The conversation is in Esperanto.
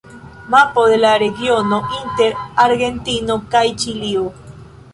Mapo de la regiono inter Argentino kaj Ĉilio.